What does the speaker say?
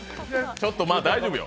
ちょっと大丈夫よ。